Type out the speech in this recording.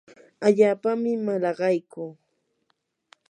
allaapami malaqaykuu.